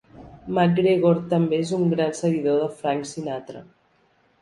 McGregor és també un gran seguidor de Frank Sinatra.